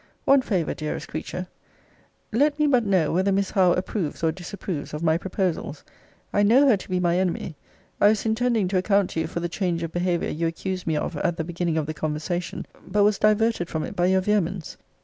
One favour, dearest creature Let me but know, whether Miss Howe approves or disapproves of my proposals? I know her to be my enemy. I was intending to account to you for the change of behaviour you accused me of at the beginning of the conversation; but was diverted from it by your vehemence.